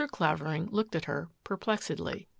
Clavering looked at her perplexedly.